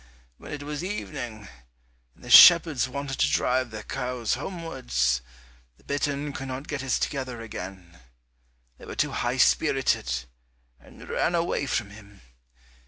When it was evening, and the shepherds wanted to drive their cows homewards, the bittern could not get his together again; they were too high spirited, and ran away from him.